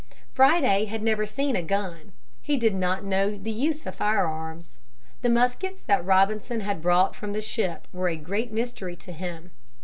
Friday had never seen a gun. He did not know the use of firearms. The muskets that Robinson had brought from the ship were a great mystery to him.